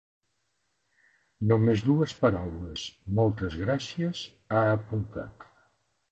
Només dues paraules: moltes gràcies, ha apuntat.